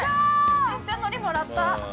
めっちゃノリもらった！